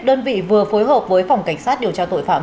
đơn vị vừa phối hợp với phòng cảnh sát điều tra tội phạm